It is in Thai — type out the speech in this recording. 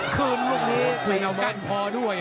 คืนเอากั้นคอด้วย